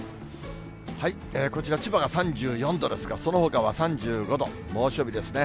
こちら、千葉が３４度ですが、そのほかは３５度、猛暑日ですね。